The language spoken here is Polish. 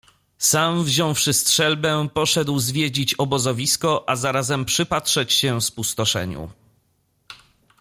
Sam, wziąwszy strzelbę, poszedł zwiedzić obozowisko, a zarazem przypatrzyć się spustoszeniu.